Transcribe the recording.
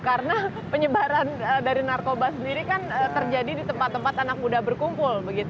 karena penyebaran dari narkoba sendiri kan terjadi di tempat tempat anak muda berkumpul